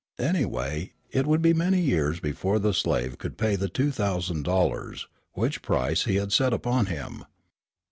Anyway, it would be many years before the slave could pay the two thousand dollars, which price he had set upon him.